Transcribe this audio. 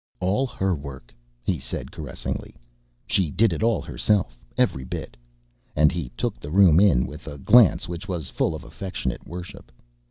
"All her work," he said, caressingly; "she did it all herself every bit," and he took the room in with a glance which was full of affectionate worship.